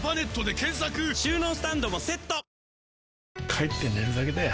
帰って寝るだけだよ